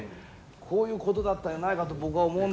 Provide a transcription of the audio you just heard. こういうことだったやないかと僕は思うんだ。